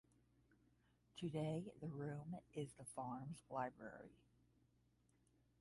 Today the room is the farm's library.